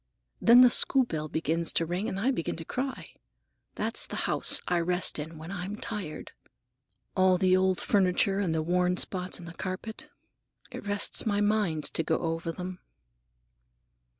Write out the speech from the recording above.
Then the school bell begins to ring and I begin to cry. That's the house I rest in when I'm tired. All the old furniture and the worn spots in the carpet—it rests my mind to go over them."